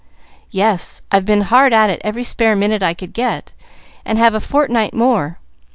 "Yes: I've been hard at it every spare minute I could get, and have a fortnight more.